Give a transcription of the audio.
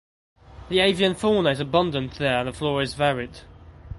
The avian fauna is abundant there and the flora is varied.